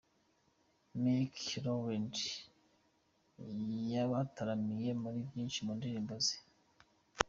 Meek Rowland yabataramiye muri nyinshi mu ndirimbo ze.